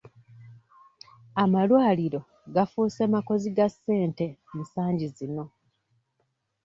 Amalwaliro gaafuuse makozi ga ssente ensangi zino.